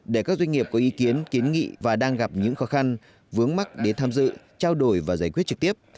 để các doanh nghiệp có ý kiến kiến nghị và đang gặp những khó khăn vướng mắt đến tham dự trao đổi và giải quyết trực tiếp